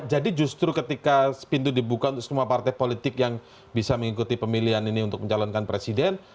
jadi justru ketika pintu dibuka untuk semua partai politik yang bisa mengikuti pemilihan ini untuk menjalankan presiden